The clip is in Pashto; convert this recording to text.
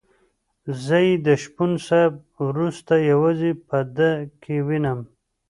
زه یې د شپون صاحب وروسته یوازې په ده کې وینم.